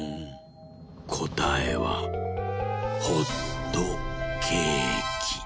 こたえは「ホットケーキ」。